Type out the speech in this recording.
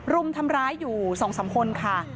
รุมทำร้ายอยู่๒๓คนค่ะ